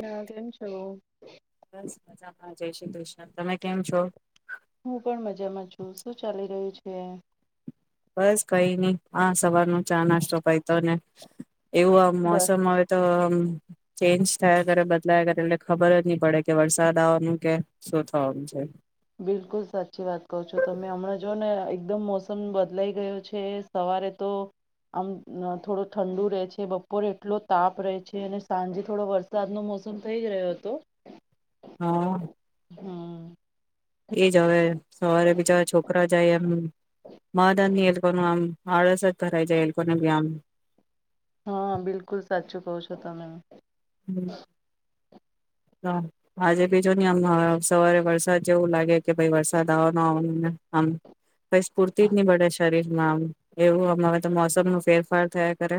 હા. કેમ છો? બસ મજામાં જય શ્રી કૃષ્ણ. તમે કેમ છો? હું પણ મજામાં છું શું ચાલી રહ્યું છે છે બસ કઈ ની આ સવાર નો ચા નાસ્તો પયતો ને એવું આમ બસ મોસમ આવે તો હમ ચેન્જ થાયા કરે બદલાયા કરે એટલે ખબર જ નહી પડે કે વરસાદ આવવાનું કે શું થવાનું છે બિલકુલ સાચી વાત કહો છો તમે હમણાં જોઓ ને એકદમ મોસમ બદલાઈ ગયો છે સવારે તો આમ થોડો ઠંડુ રહે છે બપોરે એટલો તાપ રહે છે અને સાંજે થોડો વરસાદનો મોસમ થઈ જ રહ્યો હતો હા હા એ જ હવે સવારે બીજા છોકરા જાય એમ [unintelligible] કોનું આમ આળસ જ ભરાઈ જાય આલોકો ને ભી આમ હા બિલકુલ સાચું કહો છો તમે આજે ભી જોની આમ સવારે વરસાદ જેવું લાગે કે ભાઈ વરસાદ આવવાનો આવવા આમ [unintelligible] પૂરતી [unintelligible] શરીર માં આમ એવું આમ હવે તો મોસમ નુ ફેરફાર થાયા કરે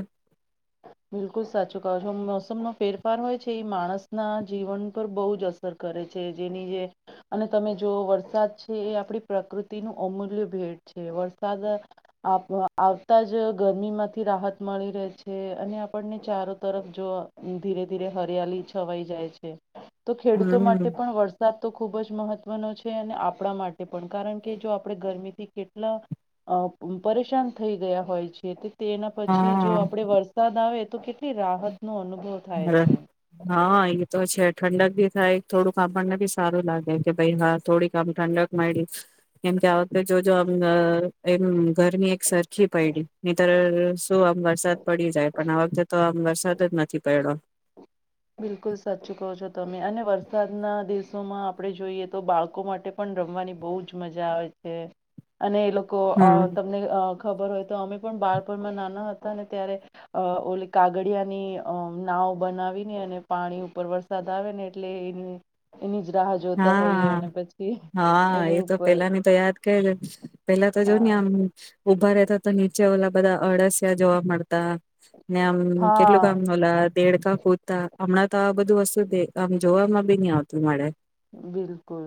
બિલકુલ સાચું કહો છો મોસમનો ફેરફાર હોય છે એ માણસના જીવન પર બોઉ જ અસર કરે છે જેની જે અને તમે જો વરસાદ છે એ આપણી પ્રકૃતિનું અમૂલ્ય ભેટ છે વરસાદ આવતા જ ગરમીમાંથી રાહત મળી રહે છે છે અને આપણને ચારો તરફ જો ધીરે ધીરે હરિયાલી છવાઈ જાય છે તો ખેડૂતો માટે હમ પણ વરસાદ તો ખૂબ જ મહત્વનો છે અને આપણા માટે પણ કારણ કે જો આપણે ગરમીથી કેટલા પરેશાન થઈ ગયા હોય છે તે તો તેના પછી જો વરસાદ આવે તો કેટલી રાહત નુ અનુભવ થાય છે હ હા એ તો છે ઠંડક ભી થાય થોડુંક આપણને ભી સારું લાગે કે ભાઈ હા થોડી કામ ઠંડક મયળી કેમ કે આ વખતે જોજો એમ ઘરમની એક સર સરખી પયડી નીયતર સુું આમ વર વરસાદ પડી જાય પણ આ વખતે તો આમ વરસાદ જ નથી પયડો બિલકુલ સાચી કહો છો તમે અને વરસાદના દિવસોમાં આપણે જોઈએ તો બાળકો માટે પણ રમવાની બો જ મજા આવે છે અને એ લોકો કો હમ અ તમને અ ખબર હોય તો અમે પણ બાળપણમાં નાના હતા ને ત્યારે ઓલી કાગડિયાની અ નાવ બનાવી અને પાણી ઉપર વરસાદ આવે ને એટલે એ એની રાહ જોતા હોઈએ હા અને પછી હા એની એ તો ઉપર પેલાની તો યાદ કે પેલા તો જોવ ને હા આમ ઉભા રહેતા તો નીચે ઓલા બધા અળસિયા જોવા મળતા ને આમ કેટલું હા કામ ઓલા દેડકા કૂતા હમણાં તો આ બધું વસ્તુ દે આમ જોમાં ભી ની આવતું મળે બિલકુલ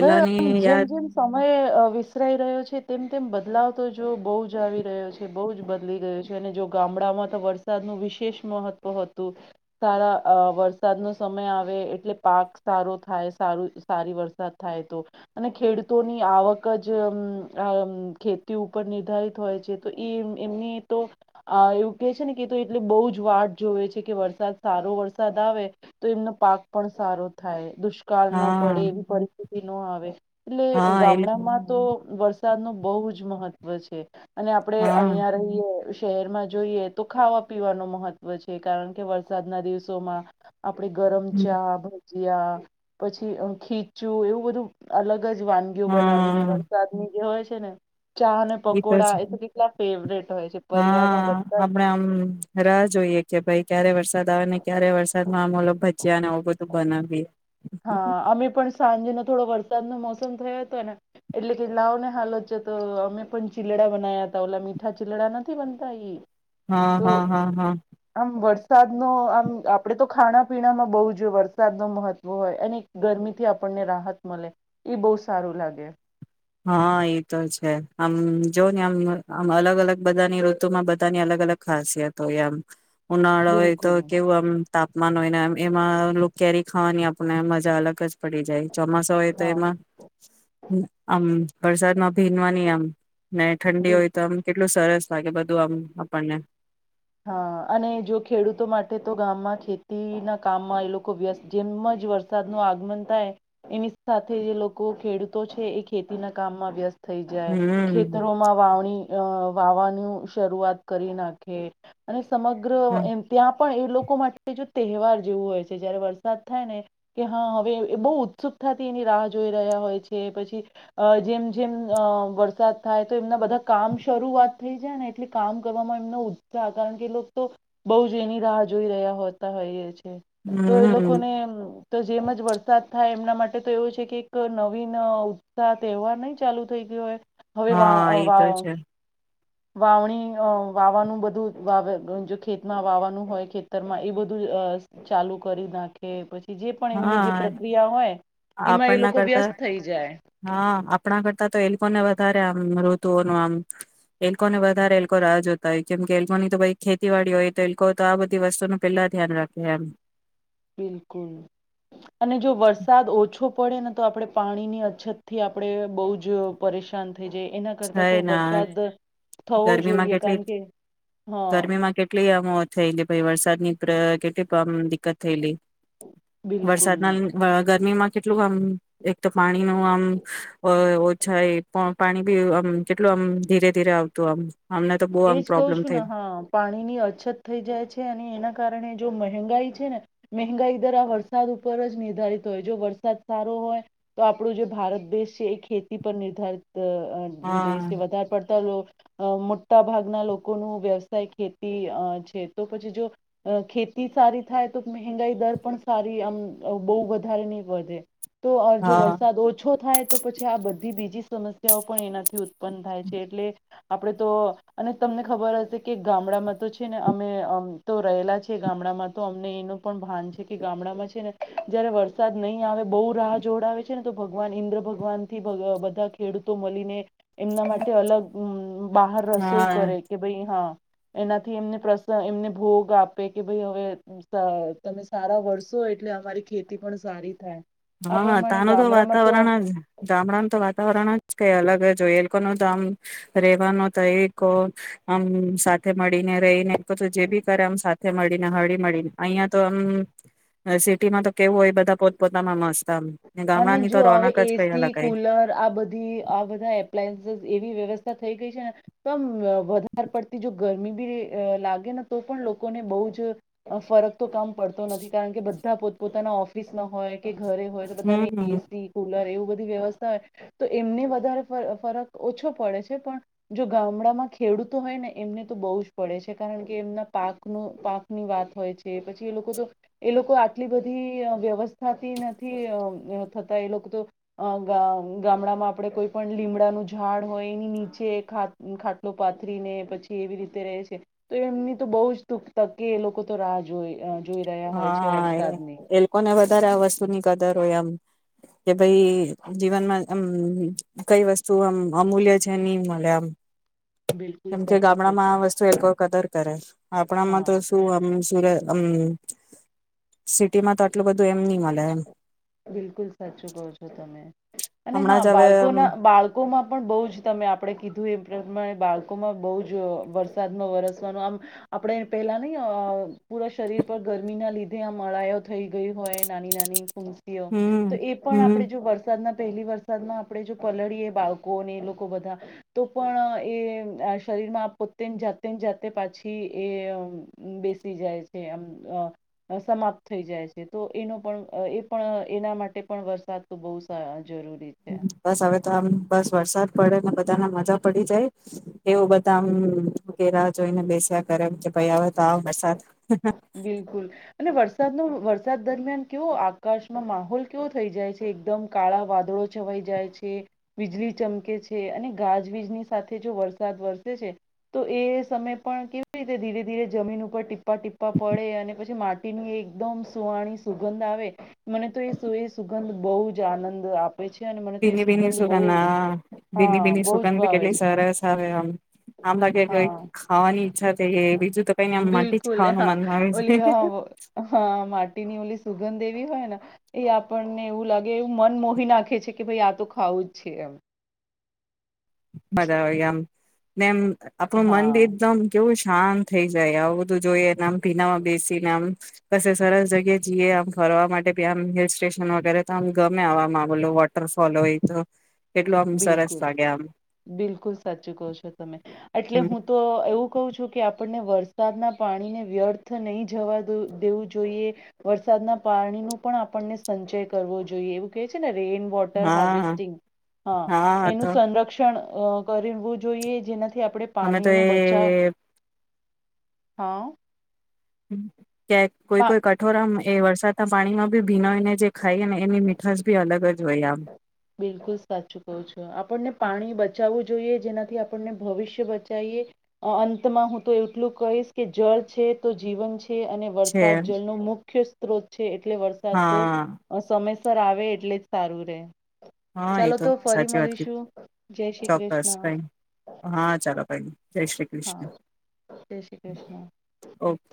બ જેમ યાદ જેમ સમય વિસરાઈ રહ્યો છે તેમ. તેમ બદલાવ તો જો બહુ જ આવી રહ્યો છે બહુ જ બદલી ગયો છે અને જો ગામડામાં તો વરસાદનું વિશેષ મહત્વ હતું સારા વરસાદનો સમય આવે એટલે પાક સારો થાય સારું સારી વરસાદ થાય તો અને ખેડૂતોની આવક જ ખેતી ઉપર નિર્ધારિત હોય છે તો એ એમની તો એવું કેહે છે ને કે એટલે બહુ જ વાટ જોવે છે કે વરસાદ સારો વરસાદ આવે તો એમનો પાક પણ સારો થાય. દુષ્કાળ ના પડે હા એવી પરિસ્થિતિ ન આવે એટલે હા એ ગામડામાં તો વ વરસાદ નું બહુ જ મહત્વ છે. અને આપડે હા અહિયાં રહીયએ શહેરમાં જોઈએ તો ખાવા પીવાનું મહત્વ છે કારણ કે વરસાદના દિવસોમાં આપડે ગરમ ચાહ પછી ખીચું એવું બધું અલગ જ વાનગીઓ બનાવીને હા વરસાદ ની જે હોય [unintelligible] ચા અને તો પકોડા છે એ કેલા ફેવરેટ. હોય છે પરિવારમાં હા બધા આપડ આમ રાહ જોઈએ કે ભાઈ ક્યારે વરસાદ આવે ને ક્યારે વરસાદમાં આમલો ભજ્યા ને આવું બધું તો બનાવીએ હા અમે પણ સાંજેનોો થોડો વર્ષ વરસાદ નો મોસમ થયો હતો ને એટલે કે લાવ ને હાલો ને તો અમે પણ ચીલડા બનાયા ત ઓલા મીઠા ચીલડા નથી બનતા. [inaudible] વરસાદ નો આમ આપડે તો ખાણા પીણામાં બહુ જોએ વરસાદ ન મહત્વ હોય અને ગરમીથી આપણને રાહત મળે એ બહુ સારું લાગે હા ઈ તો છે. આમ જોઓ ને આમ-આમ અલગ-અલગ બધાની ઋતુમાં બધાની અલગ-અલગ ખાસિયત હોય એમ. ઉનાળો હોય તો બિલકુલ કેવું આમ તાપમાન હોય ને આમ એમાં [unintelligible] કેરી ખાવાની આપણને મજા અલગ જ પડી જાય. ચોમાસો હોય તો હા એમાં વરસાદમાં ભીનવાની આમ, ને ઠંડી બિલકુલ હોય તો આમ કે એટલું સરસ લાગે બધું આમ આપણને. હા અને જો ખેડૂતો માટે તો ગામમાં ખેતીના કામમાં એ લોકો વ્યસ્ત જેમ જ વરસાદનું આગમન થાય એની સાથે એ લોકો ખેડૂતો છે એ ખેતીના કામમાં વ્યસ્ત થઈ જાય, હમ ખેતરોમાં વાવણી અહ વાવવાનું શરૂઆત કરી નાખે. અને સ સમગ્ર એમ ત્યાં પણ એ લોકો માટે જો તહેવાર જેવું હોય છે, જયારે વરસાદ થાય ને કે હા હવે બહુ ઉત્સુકતાથી એની રાહ જોઈ રહ્યા હોય છે, પછી અહ જેમ-જેમ અહ વરસાદ થાય તો એમના બધા કામ શરૂઆત થઈ જાય ને એટલે કામ કરવામાં એમનો ત્યાં કારણ કે લોકો તો બહુ જ એની રાહ જોઈ રહ્યા હોતા હોઈએ છ છે. તો એ લોકો હમ ને અમ્મ તો જેમ જ વરસાદ થાય એમના માટે તો એવું છે કે એક નવીન અહ ઉત્સાહ તહેવાર નહીં ચાલુ થઈ ગયો હોય. હવે વા હા અહ એ તો વા છે વાવણી અહ વાવવાનું બધું વાવે અહ જો ખેતમાં જે વાવવાનું હોય ખેતરમાં એ બધું અહ ચાલુ કરી નાખે પછી જે પણ એમની જે હા પ્રક્રિયા હોય એમાં એ આપણના લોકો કરતા, વ્યસ્ત થઈ જાય હા આપ આપણા કરતા તો એ લોકોને વધારે આમ ઋતુઓ નો આમ એલકો ને વધારે એલકો રાહ જોતા હોય કેમ કે એલકોની તો કાઈ ખેતીવાડી હોય તો એલોક તો આ બધી વસ્તુ નું પેલા ધ્યાન રાખે એમ. બિલકુલ અને જો વરસાદ ઓછો પડે ને તો આપણે પાણીની અછતથી આપણેે બહુ જ પરેશાન થઈ જાય એના છે કરતા તો ને વરસાદ થવો ગરમીમાં જોઈએ કેટલી કારણ કે હા ગરમીમાં કેટલી આમ મો થઈ કે ભઈ વરસાદ ની પ્ર કેટલી પમ દિકકત થયેલી. વરસાદ બિલકુલ ના અહ ગરમીમાં કેટલું આમ એક તો પાણી નું આમ અહ ઓછા એ પણ પાણી બી આમ કેટલું આમ ધીરે-ધીરે આવ તું આમ એજ કહું છું ને હા પાણી ની અછત થઈ જાય છે અને એના કારણે જો મહેંગાઈ છે, ને મહેંગાઈ દરા આ વરસાદ ઉપર જ નિર્ધારિત હોય, જો વરસાદ સારો હોય તો આપણું જે ભારત દેશ છે એ ખેતી પર નિર્ધારિત અહ અહ હા દેશથી વધારે પડતા લોક અહ મોટ ટા ભાગના લોકો નું વ્યવસાય ખેતી અહ છે. તો પછી જો અહ ખેતી સારી થાય તો મહેંગાઈ દર પણ સારી આમ બહુ વધારે નહી વધે. તો અહ જો હા વરસાદ ઓછો થાય તો પછી આ બધી બીજી સમસ્યાઓ પણ એનાથી ઉ ત્પન્ન થાય છે એટલે આપડે તો. અને તમને ખબર હશે કે ગામડામાં તો છે ને અમે અમ તો રહેલા છે ગામડામાં તો અમને એનું પણ ભાન છે કે ગામડામાં છે ને જયારે વરસાદ નહીં આવે બહુ રાહ જોડાવે છે ને તો ભગવાન ઈન્દ્ર ભગવાન થી બધા ખેડૂતો મલી ને. એમના માટે અલગ હમ બાહર સોઈ હા કરે કે ભાઈ હા. એનાથી એમને પ્રશ્ન એમને ભોગ આપે કે ભઈ હવે ત તમે સારા વરસો એટલે અમારી ખેતી પણ સારી થાય. આ હા તા પ્રમાણે નું તો ગામડામાં વાતાવરણ જ ગામડાનું તો વાતાવરણ જ કઈ અલગ જો એ લોકો ન તો આમ રેવાનું તો એક આમ સાથે મળીને રહીને એ જે બી કરે આમ સાથે મળીને હળી મળીન અહિયાં તો આમ સિટીમાં તો કેવું હોય બધા પોત પો તમા મસ્તમ. અને જો હવે એસી કુલર આ બધી આ બધા એપ્લાયન્સીસ એવી વ્યવસ તા થઈ ગઈ છે ને તો આમ વધારે પડતી જો ગરમી બી લાગે ને તો પણ લોકોને બઉ જ ફરક તો કમ પડતો નથી કારણ કે બધા પોત પોતાના ઓફિસમાં હોય કે ઘરે. બધા ને હમ એસી કુલર એવું. બધી વ્યવસ્થા હોય તો એમને વધારે ફરક ઓછો પડે છે પણ જો ગામડામાં ખેડૂતો હોય ને એમને તો બહુ જ પડે છે કારણ કે એમના પાકનું પાકની વાત હોય છે પછી એ લોકો તો એ લોકો આટલી બધી વ્યવસ્થાથી નથી અ થતા એ લોકો તો અ ગામડામાં આપડે કોઈ પણ લીમડાનું ઝાડ હોય એની નીચે ખાટલો પાથરીને પછી એવી રીતે રય છે તો એમની તો બવ જ તકે એ લોકો તો રાહ જોય. હા એ એ લોકો ને વધારે આ વસ્તુની કદરો હોય એમ કે ભાઈ જીવનમાં અમ કઈ વસ્તુ આમ અમૂલ્ય છે ની મલે આમ. બિલકુલ કેમ કે સાચું કહો ગામડામાં છો આ વસ્તુ એક કદર તરસ. આપણામાં તો હા શું આમ સુર હમ. સિટીમાં તો આટલું બધું એમ ની મલે એમ. બિલકુલ સાચું કહો છો તમે. અને હમણાં હા જ હવે બાળકોના બાળકોમાં પણ બઉ જ તમે આપડે કીધું એ બાળકોમાં બઉ જ વરસાદમાં વરસવાનું આમ આપણે પેલા નહી અ પૂરા શરીર પર ગરમી ના લીધે આમ અળાઈઓ થઈ ગઈ હોય નાની નાની. તી ઓ હમ તો એ પણ આપડે હમ જો વરસાદના પહેલી વરસાદમાં આપડે જો પલળીએ બાળકોને એ લોકો બધા તો પણ એ શરીરમાં પોતેને જાતે ને જાતે પાછી એ બેસી જાય છે એમ સમાપ્ત થઈ જાય છે તો એનો પણ એ પણ એના માટે પણ વરસાદ તો બહુ સા જરૂરી છે બસ હવે તો આમ બસ વરસાદ પડેને બધા ના મજા પડી જાય એવું બધા આમ કે રાહ જોઈને બેસ્યા કરે એમ કે ભાઈ આવે તો વરસાદ. બિલકુલ અને વરસાદ નો વર સાદ દરમિયાન કેવો આકાશમાં માહોલ કેવો થઈ જાય છે એકદમ કાળા વાદળો છવાઈ જાય છે વીજળી ચમકે છે અને ગાજવીજની સાથે જો વરસાદ વરસે છે તો એ સમયે પણ કેવી રીતે ધીરે ધીરે જમીન ઉપર ટીપા ટીપ. પા પડે અને પછી માટીની એકદમ સુહાણી સુગંધ આવે મને તો એ સુ એ સુગંધ બઉ જ આનંદ આપ ભીની ભીની સુગંધ હા ભીની હા ભીની બહુ જ સુગંધ બી ભાવે છે કેટલી સરસ આવે આમ. આમ લાગે કે હા ખાવાની છા બીજું તો કઈ આ માટેટી જ બિલકુલ ખાવાનું હા મનમાં આવે છે ઓલી હા વ હા સુગંધ દેવી હોય ને એ આપણને એવું લાગે એવું મન મોહી નાખે છે કે ભાઈ આ તો ખાવું જ છે એમ બદવ એમ મેનેમ આપણું મન હા એકદમ કેવું છે હા થઈ જાય આવું બધું જોઈએ એને આમ ભીનામાં બેસી ને આમ પછી સરસ જગ્યાએ જઈએ આમ ફરવા માટેી આમ હિલ સ્ટેશન વગેરે તો આમ ગમે આવા ગલો વોટરફોલ હોય તો કેટલું આમ સરસ બિલકુલ લાગ્યા આમ બિલકુલ સાચું કહો છો તમે એટલે હમ હું તો એવું કહું છું કે આપણને વરસાદના પાણીને વ્યર્થ નહી જવા દેવું જોઈએ વરસાદના પાણી ન પણ આપણને સંચય કરવો જોઈએ એવું કેહે છે ને રેઈઇન વોટર હા હાર્વેસ્ટિંગ હા એનું સંરક્ષણ કરવું જોઈએ જેનાથી થી આપણેે અમે પાણી તો એ ન બચાવ હા હમ ક્યા કોઈ પા કોઈ કઠોર આમ એ વરસાદના પાણીમાં ભી ભીનોઈને જે ખાઈ ને એની મીઠાશ ભી અલગ અ જ હોય આમ બિલકુલ સાચું કવ છું આપણને પાણી બચાવવું જોઈ જેનાથી આપણને ભવિષ્ય બચાવએ અંતમાં હું તો એટલું કહીશ કે જળ છે તો જીવન છે છે અને છે વરસાદ જલનો મુખ્ય રોચ છે એટલે વરસાદ તો હા સમય આવે એટલે જ સારું [inaudible] હા ચાલો એતો તો ફરી સાચી વાત ક મળીશું જય શ્રી ચોક્કસ કૃષ્ણ કઈ હા ચાલો ભાઈ જય શ્રી હા કૃષ્ણ જય શ્રી કૃષ્ણ ઓકે